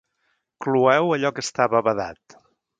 Cloeu allò que estava badat.